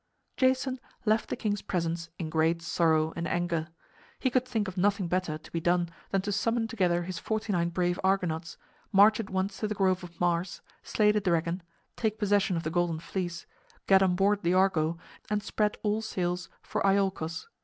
Jason left the king's presence in great sorrow and anger. He could think of nothing better to be done than to summon together his forty nine brave Argonauts, march at once to the grove of Mars, slay the dragon, take possession of the Golden Fleece, get on board the Argo and spread all sail for Iolchos.